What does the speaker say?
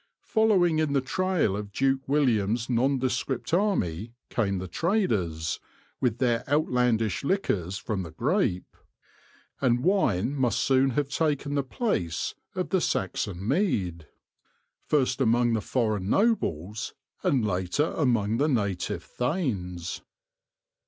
Following in the trail of Duke William's nondescript army came the traders, with their outlandish liquors from the grape ; and wine must soon have taken the place of the Saxon mead, first among the foreign nobles, and later among the native thanes.